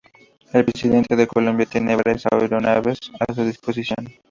El Presidente de Colombia tiene varias aeronaves a su disposición.